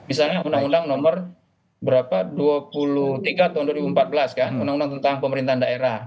misalnya undang undang nomor dua puluh tiga tahun dua ribu empat belas kan undang undang tentang pemerintahan daerah